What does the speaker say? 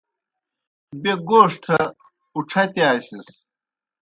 بیْہ گوݜٹھہ اُڇھتِیاسِس۔